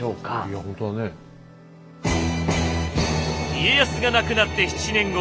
家康が亡くなって７年後。